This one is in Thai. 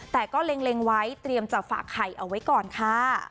แต่ก็เล็งไว้เตรียมจะฝากไข่เอาไว้ก่อนค่ะ